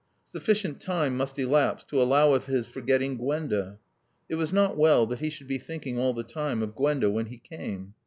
Sufficient time must elapse to allow of his forgetting Gwenda. It was not well that he should be thinking all the time of Gwenda when he came.